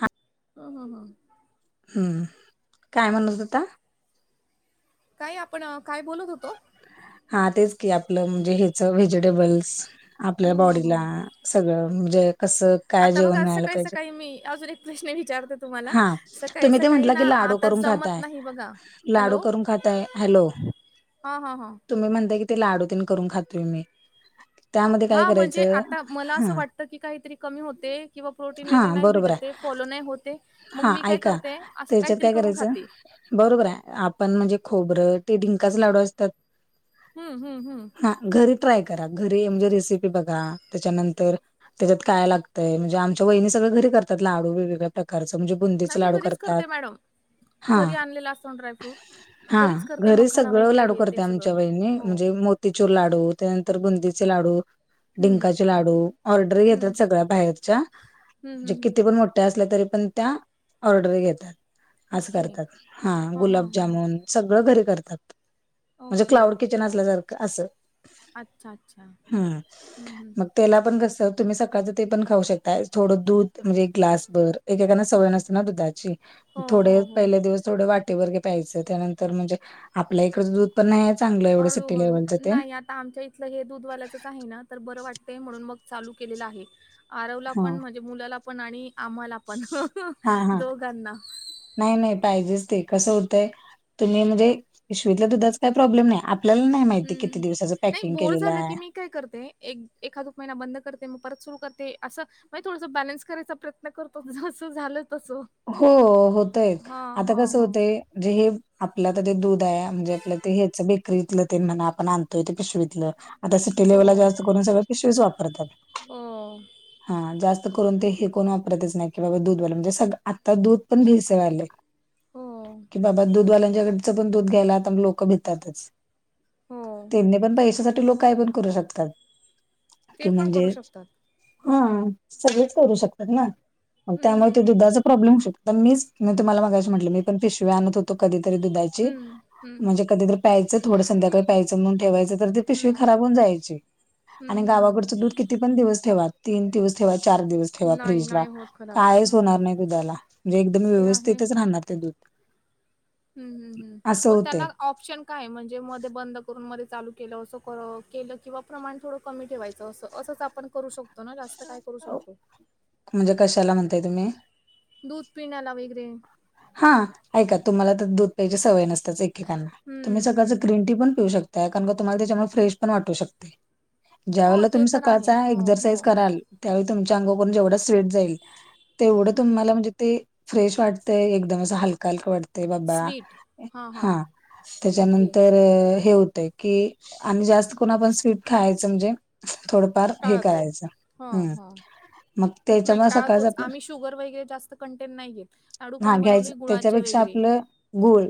हा. ह हा हां. हम्म काय म्हणतता. काय आपण काय बोलत होतो. हा तेच की आपलं म्हणजे हच व्हेजिटेबल्स आपल्या हम्म हम्म बॉडीला, हम्म. सगळं म्हणजे कसं. काय आता बघा जेवण असं मिळायला काहीस पाहिजे काही मी अजून एक प्रश्न विचारते तुम्हाला हा स काहीस तुम्ही ते काही म्हटला ना की आ. लाडू करून खाताय लाडू करून खाताय हॅलो. हा हा हां तुम्ही म्हणताय की ते लाडूतीन करून खातोय मी, त्यामध्ये काय हा म्हणजे करायचं आता मला हा असं वाटतं की काहीतरी कमी होते किंवा प्रोटीन हा वगैरे नाही बरोबर आहे भेटते. फॉलो नाही होते मग हा मी काय ऐका करते असं त्याच्यात काहीतरी काय करून करायचं खाते. बरोबर आहे आपण म्हणजे खोबरं ते डिंकाच लाडू असतात. हम्म हम्म हम्, हा घरी ट्राय करा घरी म्हणजे रेसिपी बघा त्याच्यानंतर त्याच्यात काय लागतंय म्हणजे आमच्या वहिणी सगळे घरी करतात लाडू वेगळे. प्रकारच म्हणजे नाही बुंदीचे मी लाडू घरीच करतात. करते मॅडम हा घरी आणलेला असतो ना ड्रायफ्रूट. हा घरीच करते घरी मखाना सगळं वगैरे लाडू हे ते करते आमच्या सगळं. वहिणी हो. म्हणजे. मोतीचेर लाडू त्यानंतर बुंदीचे लाडू. हम्म डिंकाचे लाडू ऑर्डर हम्म घेतात सगळ्या बाहेरच्या. हम्म हम्म म्हणजे हम्म. किती पण मोठे असल्या तरी पण. त्या ऑर्डर घेतात अस ओके. करतात हा हां, हां, हां. गुलाबजामून. सगळं घरी करतात म्हणजे ओके. क्लाउड किचन असल्या जारखं असं. अच्छा, अच्छा. हम्म हं, हं, मग हं. त्याला पण कस. तुम्ही सकाळचं ते पण खाऊ शकता थोडं दूध म्हणजे एक ग्लास भर एक एकाना सवय नसत ना दुधाची. हो, थोडे हो, हो. पहिल्या दिवस थोडे वाटे वर्गे प्यायचं त्यानंतर म्हणजे आपल्या इकड दूध. पण नाही चांगलं एवढं सिटी हळू-हळू लेवलात. नाही आता आमच्या इथलं हे दूध वाल्याचच आहे ना तर बरं वाटत म्हणून मग चालू केलेलं आहे. आरवला पण हां. म्हणजे मुलाला पण आणि आम्हाला पण हां हां. दोघांना. नाही नाही पाहिजेच ते कसं होतय तुम्ही म्हणजे इशवीतल्या दुधाचा काही प्रॉब्लेम नाही आपल्याला नाही माहिती किती हं. दिवसाचं नाही पॅकिंग बोर केलेलं झालं आहे. की मी काय करते एक एखाद महिना बंद करते मग परत सुरू करते अस. मग थोडस बॅलेन्स करायचा प्रयत्न करतो जसं झालं तसं. हो होतय हां, आता हां, कसं हां. होतंय जे हे आपलं तर ते दूध आहे म्हणजे आपलं ते हेच बेकरीतलं ते म्हणा आपण आणतोय ते पिशवीत ल -आता सिटी हो. लेवलला जास्त सगळ पिशवीच वापरतात. हो. हा जास्त करून ते हे कोण वापरतच नाही की बाबा दूध वालं म्हणजे सग आता दूध पण भेसळ आलंय. हो. कि बाबा दूधवाल्यांच्याकडचं पण दूध घ्यायलाता लोकं भितातच. हो. त्यांनी पण पैश्या साठी लोक काय पण करू शक तात ते -कि पण म्हणजे करू शकतात. हा सगळेच करू शकतात ना मग हं, त्यामुळे हं, ते हं. दुधाच प्रॉ्लेम होऊ श - मीच तुम्हाला मगाशी म्हटलं मी पण पिशवी आणत कधीरी दुधा ची हं, हं, म्हणजे कधी तर प्यायचं थोडं संध्याकाळी प्यायचं मग ठेवायचं तर ते पिशवी हं. खराब होऊ जायची हं, आणि हं, हं. गावाकडचं दूध किती पण दिवस ठेवा तीन दिवस ठेवा चार दिवस ठेवा नाही, फ्रीज ला नाही होत खराब. कायच होणार हं. नाही. दुधाला म्हणजे एकदम ते व्यवस्थितच राहणार ते दूध. हम्म हम् हम् असं हो होते त्याला ऑप्शन काय म्हणजे मध्ये बंद करून मध्ये चालू केलं असं केलं किंवा प्रमाण थोडं कमी ठेवायचं अस असंच आपण करू शक म्हणजे कशाला म्हणताय तुम्ही? दूध पिण्याला वगैरे. हा ऐका तुम्हाला तर दूध प्यायची सवय नसतेच एकएकाला तुम्ही हं, सकाळचं हं. ग्रीन टी पण पिऊ शक ताय कारण का तुम्हाला त्याच्यामुळे फ्रेश पण वाटू शकतंय ज्या हो वेळेला ते तुम्ही तर आहे. सकाळचा हो, हो. एक्जरसाईज कराल त्यावेळी तुमच्या अंगोवरून जेवढा स्वेट जाईल तेवढं हं. तुम्हाला म्हणजे ते फ्रेश वाट तय एकदम अस हलका हलक वाट तय बाबा स्वीट. हां, हां. हा ओके. त्याच्यानंतर हे होतंय. कि आमी जास्त करून आपण स्वीट खायचं म्हणजे थोडं फार हे टाळतो. करायच हां, हां. मग नाही त्याच्यामुळे सकाळच टाळतोच. आपल आम्ही शुगर वगैरे जास्त कंटेंन नाही घेत. लाडू हा पण घ्यायचं बनवले गुळाचे -त्याच्यापेक्षा वगैरे. आपलं गुळ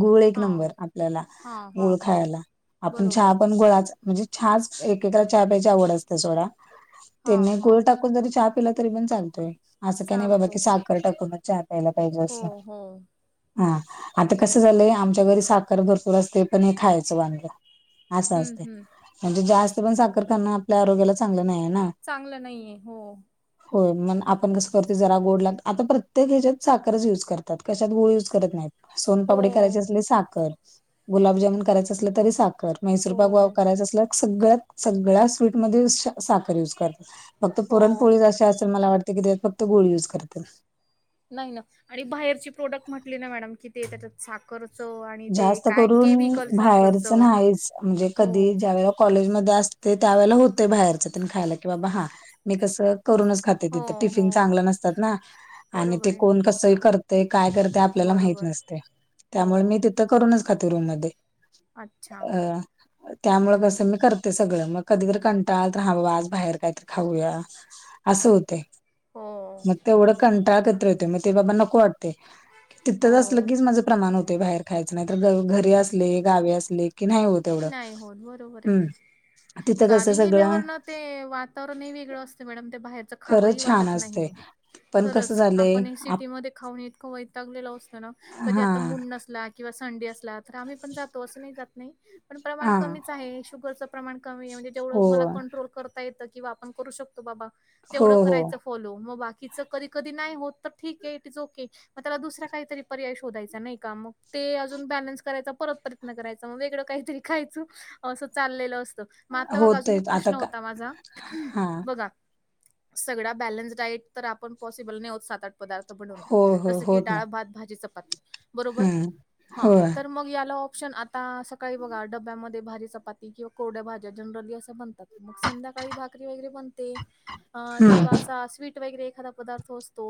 गुळ एक हा नंबर आपल्याला. हा हा गुळ हा खायला आपण बरोबर. चहा पण गुळाचा म्हणजे छाच एक एकाला चहा प्यायची आवड असते सोडा हा त्यांनी हा गुळ टा कुण जरी चहा पिला तरी पण चालतोय असं काय नाय बाबा चालतो. की साखर टाकूनच चहा प्यायला पाहिजे हो असं. हो हा आता कसं झालंय आमच्या घरी साखर भरपूर असते पण हे खायचं वांद. असं हम्म असतंय हम्म म्हणजे जास्त पण साखर खान आपल्या आरोग्याला चांगलं नाहीया ना. चांगलं नाहीये हो. होय मन आपण कसं करतोय जरा गोडला आता प्रत्येक ह्याच्यात साखरच यूज करतात कशात गूळ यूज करत नाहीत हो सोनपापडी करायची असली साखर गुलाबजामन करायच असलं तरी साखर हो मैसूरपाक करायचं असलं सगळ्यात सगळ्या स्वीटमध्ये साखर युज करतात. फक्त हो पुरणपोळी अशी असल मला वाटतं की त्याज्यात फक्त गुळ यूज करतील. नाही ना आणि बाहेरची प्रोडक्ट म्हटली ना मॅडम कि ते त्याच्यात साखरच जास्त करून बाहेरच साखरचं नाहीच म्हणजे हो कधी ज्यावेळे कॉलेज मध्ये असते त्यावेळेला होतंय बाहेरचन ते खायला की बाबा हा मी कस करूनच खात ते हो -तिथं हो टिफिन चांगलं नसतात ना. आणि ते बरोबर आहे. कोण कसं करतय काय करतय आपल्याला माहित बरोबर नसतंय हो त्यामुळे मी ती तिथ करूनच खाते रूम मध्ये अच्छा अ- त्यामुळे हम्म कस हम्म मी कर ते सगळं म कधीतर कंटाळा आला तर हा बाबा आज बाहेर कायंतरी खाऊया असं होतयं. हो म तेवढं कंटाळा कधीतरी होतयं म ते बाबा नको वाट ते तिथंच असलं हो की माझ प्रमाण होतयं बाहेर खायचं नायंतर घरी असले गावी असले की नाही होत. की एवढं नाही होत बरोबर ये हम्म तिथं कसं गावी सगळं गेल्यावर ना ते वातावरणही वेगळं असते मॅडम ते बाहेरचं खावंही खरंच छान वाटत असतंय नाही. पण कसं खरंच झालंय आपण हे आप सिटीमध्ये खाऊन इतक वै तागलेलो असतो ना कधी हा आता मुड नसला किंवा संडे असला तर आम्ही पण जातो असं नाही जात नाही पण प्रमाण हा कमीच आहे शुगरचं प्रमाण कमी ये म्हणजे जेवढं हो मला कंट्रोल कर ता येत किंवा आपण करू शकतो बाबा हो तेवंढ हो करायचं. फॉलो मग बाकीचं कधी कधी नाही होत त ठीक ये इट इज ओके म त्याला दुसरा काहीतरी पर्याय शोधायचा नाही का मग ते अजून बॅलन्स करायचा परत प्रयत्न करायचा म वेगळं काहीतरी खायच असं चाललेलं अस म आता बघ अजून होतय एक आता प्रश्न का होता माझा हा बघा सगळ्या बॅलन्स डाएट तर आपण पॉसिबल नाही होत सात आठ पदार्थ बनवण हो हो जस की होत डाळ नाही भात भाजी चपाती बरोबर हम्म हं होय तर मग याला ऑप्शन आता सकाळी बघा डब्यामध्ये भारी चपाती किंवा कोरड्या भाज्या जनरली असं बनतात मग संध्याकाळी भाकरी वगैरे बनते. अ हम्म किंवा असा स्वीट वगैरे एखादा पदार्थ असतो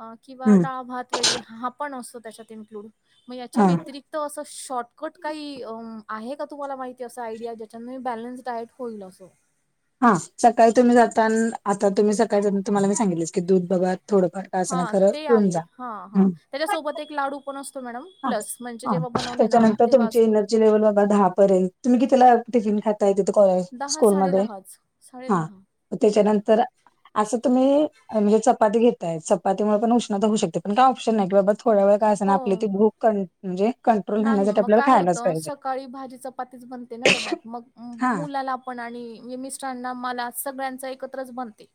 अ किंवा हम्म डाळभात वगैरे हा पण असतो त्याच्यात इन्क्लूड म याच्या हा व्यतिरिक्त असं शॉर्टकट काही अ आहे का तुम्हाला माहिती असं आयडिया ज्याच्यान बॅलन्स डायट होईल असं हा सकाळी तुम्ही जाता आता तुम्ही सकाळी जात तुम्हाला मी सांगितलच की दूध बघा थोडंफार का असेना हा खरं ते पिऊन आहे जा हा हा हम्म त्याच्यासोबत एक लाडू पण असतो मॅडम हा प्लस म्हणजे जेव्हा बनवले ना तेव्हा असतो. जेवेल बघा दहा पर्यंत तुम्ही कितीला टिफिन खात [unintelligible] स्कूल मध्ये हा म हं. त्याच्यानंतर असं तुम्ही म्हणजे चपाती घेताय चपातीमुळे पण उष्णता होऊ शकते पण काय ऑप्शन नायं की बाबा थोड्या वेळात का असणं हो. आपली ती भूक कं म्हणजे कंट्रोल नाही राहण्यासाठी म काय आपल्याला होत खायलाच पाहिजे सकाळी भाजी चपातीच बनते ना डब्यात मग हा मुलाला पण आणि मि मिस्टरांना मला सगळ्यांच एकत्रच बनते.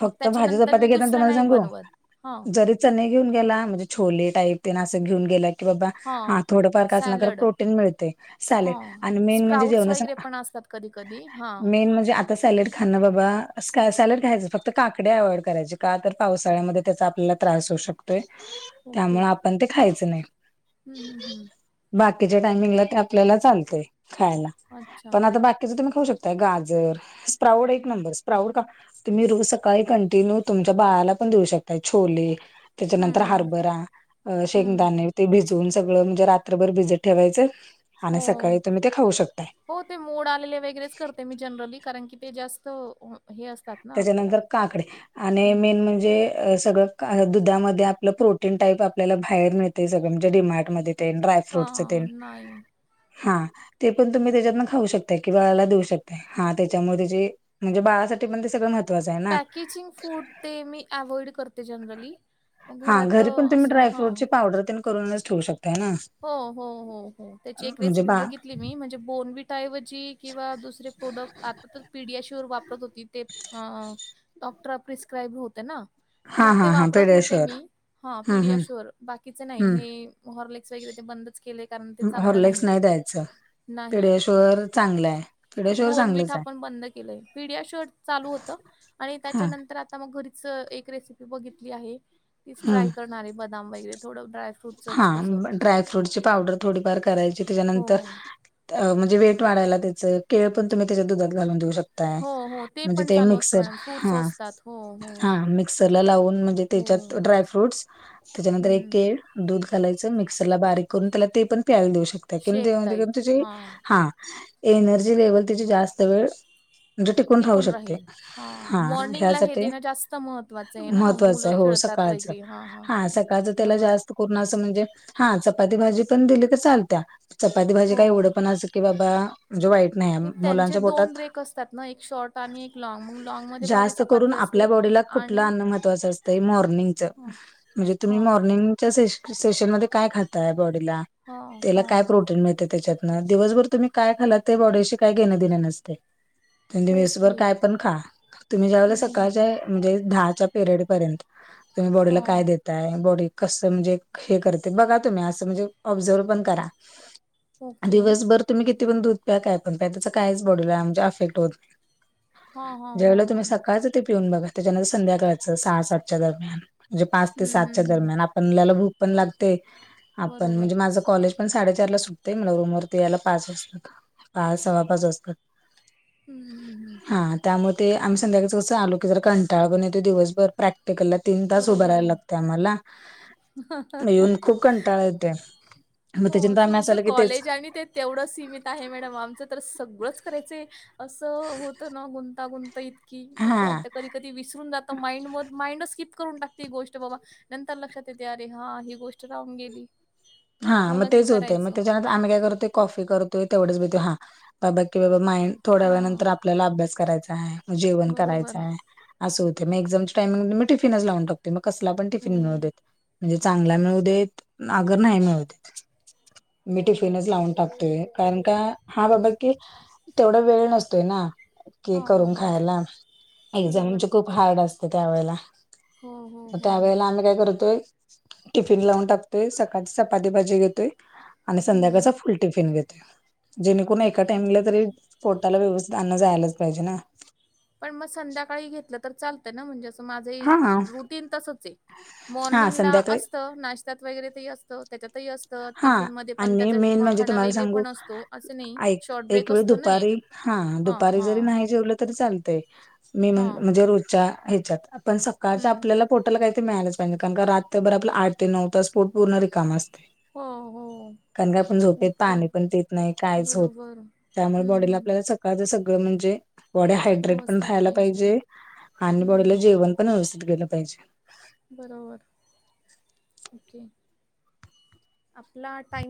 मग भाजी त्याच्यानंतर चपाती मी घेताना दुसरं तुम्हाला नाही सांगू बनवत. हां, जरी चने घेऊन गेला म्हणजे छोले टाईप ते न असं घेऊन गेला की बाबा हां. हा थोडंफार का आसंना कारण सॅलड. प्रोटीन मिळतेय सॅलेड आणि मेन म्हणजे जेवणा संग कधी कधी हा सॅलेड खान बाबा सॅ सॅलेड खायचं फक् काकड्या अव्हाइड करायचे का पावसाळ्यामध्ये त्याचा आपल्याला त्रास होऊ शकतोय त्यामुळ आप पण ते खायचं नाही. हूं हूं हूं बाकीच्या टायमिंगला तर आपल्याला चालते खायला अच्छा. पण आता बाकीच तुम्ही खाऊ शक ताय गाजर स्प्राऊड एक नंबर स्प्राऊड का तुम्ही रोज स सकाळी कंटिन्यू तुमच्या बाळाला पण देऊ शकतायं छोले हं, त्याच्यानंतर हं. हार्बरा हम्म. शेंगदाणे ते भिजवून सगळं म्हणजे रात्रभर भिजत ठेवायचं आणि हो. सकाळी तुम्ही ते खाऊ शकताय. हो ते मोड आलेले वेगळेच करते मी जनरली कारण की ते जास्त हे असतात. ना आपल्याला त्याच्यानंतर काकडे आणि हं. मेन म्हणजे सगळं दुधामध्ये आपलं प्रोटीन टाईप आपल्याला बाहेर मिळते सगळं म्हणजे डिमार्टमध्ये ड्राय. फ्रूटस हां, नाही. हा. ते पण तुम्ही त्याच्यातन खाऊ शकताय कि बा बाला देऊ शकता हा त्याच्यामुळे त्या म्हणजे बाळासाठी. ते सग. पॅकेजिंग फूड ते मी अव्हइड करते जनरली. हा घरात घरी पण तुम्ही असं हा. ड्रायफ्रूटची पावडर तेन करूनच ठेू शकतय ना. हो हो हो हो त्याची एक म्हणजे रेसिपी बा बघितली मी म्हणजे बोनविटाय व किंवा दुसरे प्रोडक् आ तर पीडिया श्युर वापरत होती ते. अ डॉक्टर प्रिस्क्राईब होते ना. हा मग ते हा हा वापरत होते पेड्याश्युअर मी हा हम्म पीडियाशुर बाकीच नाही हम्म हेरले. वगर ते बंदच केले कारण ते हम्म चांगलं हॉर्लेक्स नाही. द्यायचं नाही पेड्याश्युअर चांगलं आहे पेड्याश्युअर बोनविठा चांगलंच आहे आपण बंद केलंय पीडिया शर्ट चालू होत. आणि हा त्याच्यानंतर आ ता मग घरीच एक रेसिपी बघितली आहे तीच हम्म ट्राय करणारे बदाम वगैरे थोडं ड्राय. हा फ्रुटच असो. पावडर थोार कराय हो. त्यार वेट वाढयला त्याचे केळ पण तुम्ही त्याच्या दुधात घालून देऊ शकता. हो, हो. म्हणजे पण ते चालू असतं मिक्सर मॅडम फ्रुट्स हा असतात. हो, हो, हा मिक्सरला लावून म्हणजे. हो. त्याच्यात ड्राय फ्रूट्स त्याच्यानंतर एक हं. केळ दूध घालायचं मिक्सरला बारीक करून त्याला ते पण. प्याला देऊ शकत शेक टाईप. तु हां. हा एनर्जी लेव्हल तची जास्त वेळ. म्हणजे टिकून राावू शकते राहील. हां. हा मॉर्निंगला हे ह्यासाठी. देणं जास्त महत्त्वाचं आहे ना, मुलं महत्त्वाचं हो खेळतात सकाळचं वगैरे. हां, हां. हा सकाळचं त्याला बरोबर. जास्त. ण असं म्हणजे हा चपाती भाजी पण दिली तर चालत चपाती भाजी हो. काय एवढं पण असं की बा वाईट. नाही त्यांचे मुलांच्या दोन पोटात ब्रेक असतात ना एक शॉर्ट आणि एक लँग मग लँगमध्येध्ये भाजी जास्त करून चपाती असत. आपल्या बॉडीला कुठलं अन्न महत्वाच असतं मॉर्निंगच हां, म्हणजे तुम्ही हां, मॉर्निंग सेशन मध्ये काय खातय बॉडीला हां, त्याला हां. काय प्र ळ त्याच्या दिवसभर तुम्ही काय खाला ते बॉडीशी काय घेणे देणे नसते. त्यां ओके. वेसभर काय पण खा तुम्ही ज्यावळेला हं, हं. सकाळच्या. म्हणजे दहाच्या पिरियड पर्यंत तुम्ही बॉडीला काय हां. देताय बॉडी. कस म्हणजे हे करते बघा तुम्ही असं म्हणजे ऑब्झर्व पण करा. ओके. दिवसभर तुम्ही किती पण दूध प्या काय पण प्या त्याच कायच बॉडूल म्हणजे अफेक्ट होत नाही. हां, हां, हां, ज्यावेळेला हां, तुम्ही हां. सकाळच तेे पिऊन बघा त्याच्यानंतर संध्याकाळचं सहा सातच्या दरम्यान. म्हणजे पाच ते हं, हं, सातच्या हं. दरम्यान आपल्याला भूक पण लागते आपण बरोबर. म्हणजे माझ, कॉलेज पण साडेचार ला सुटतेय मला रूम वरती यायला पाच वाजता. पा सवा पाच असतात. हम्म हम हम्. हा त्यामुळे ते आम्ही संध्याकाळी कसं आलो की जर कंटाळ पण येतो दिवसभर प्रॅक्टिकलला. तीन तास बरोबर उभारायला आहे. लागते आम्हाला. येऊन खूप कंटाळा येत मग हो त्याच्यानंतर आम्ही असं तुमचं आल की तेच. कॉलेज आणि ते तेवढं सीमित आहे मॅडम आमचं तर सगळंच करायचं. असं होतं ना गुंतागुंता इतकी नक हा वाटत कधी कधी. विसरून जात माइंड म माइंडच क करून टाकते गोष्ट बाबा नंतर लक्षात येते अरे हा ही गोष्ट राहून गेली. हा मग आठवलं की तेच होते मग करायचं त्यात. आम्ही काय करतोय कॉफी करतोय तेवढच घेतोय हा बाबा की बाबा माइं थोड्या हा वेळ नंतर आपल्याला अभ्यास करायचा आहे जेवण बरोबर करायचं आहे असं होते मग एक्झामच्या टाइमिंग मी टिफनच लावून टकते मग कसला पण टिफिन हम्म. मिळुदे. म्हणजे चांगला मिळुदे अगर नाही मिळूदे मी बरोबर. टिफिनच लावून टाकतोय कारण का हा बाबा की, तेवढा वेळ नसतोय ना की हा हा करून हा खायला एकदा बरोबर म्हणजे खूप हार्ड असते त्यावेेळेला हो हो हो त्यावेेळेला आम्ही काय करतोय. टिफिन लावून टाकतोय सकाळ चपाती भाजी घेतोय आणि हम्म संध्याकाळचा हम्म फुल टिफिन घेते जेणेकरून एका ओके. टाइमला तरी पोटाला व्यवस्थित अन्न जायलाच पाहिजे ना पण मग संध्याकाळी घेतलं तर चालतय ना म्हणजे असं माझं हा रुटीन तसच आहे. हा मॉर्निंग ला संध्याकाळी असत नाश्त्यात वगैरे ते असत. त्याच्यातही असत हा टिफिन मध्ये पण आणि त्याचा मेन म्हणजे मखाना तुम्हाला वगैरे सांगू पण असतो असं नाही. ऐक शॉर्ट एक ब्रेक वेळ असतो ना दुपारी एक हा दुपारी जरी नाही जेवलं तरी चालतय. मी म्ह हा म्हणजे रोजच्या ह्याच्यात आपण सकाळच्या हम्म आपल्याला [inaudible] हो हो. कारण काय पण झोपेत ओके पाणी पण पीत नाही कायच होत बरोबर त्यामुळे हम्म बॉडीला हम्म आपल्याला सगळ म्हणजे बॉडी हायड्रेट पण रायाला पाहिजे आणि बॉडीला हम्म जेवण. पण व्यवस्थित गेलं पाहिजे. बरोबर आपला टाईम